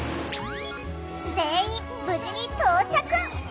全員無事に到着。